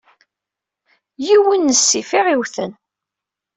Yiwen n ssif i aɣ-iwten.